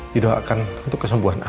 didoakan untuk kesembuhan al